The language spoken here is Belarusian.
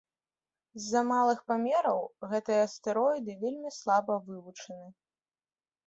З-за малых памераў гэтыя астэроіды вельмі слаба вывучаны.